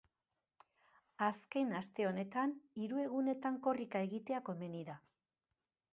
Azken aste honetan, hiru egunetan korrika egitea komeni da.